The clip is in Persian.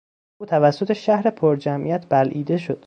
او توسط شهر پرجمعیت بلعیده شد.